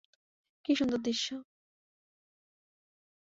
কী সুন্দর দৃশ্য!